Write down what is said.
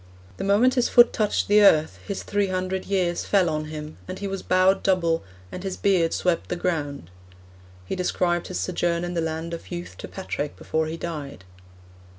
The moment his foot touched the earth his three hundred years fell on him, and he was bowed double, and his beard swept the ground. He described his sojourn in the Land of Youth to Patrick before he died.'